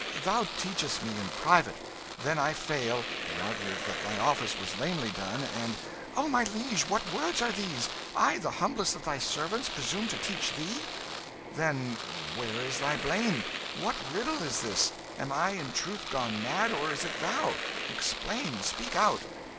Thou teachest me in private then if I fail, he argueth that thy office was lamely done, and " "Oh, my liege, what words are these? I, the humblest of thy servants, presume to teach thee?" "Then where is thy blame? What riddle is this? Am I in truth gone mad, or is it thou? Explain speak out."